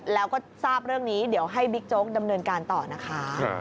แล้วก็ทราบเรื่องนี้เดี๋ยวให้บิ๊กโจ๊กดำเนินการต่อนะคะ